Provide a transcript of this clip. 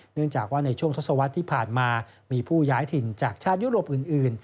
เนื่องจากว่าในช่วงทศวรรษที่ผ่านมามีผู้ย้ายถิ่นจากชาติยุโรปอื่น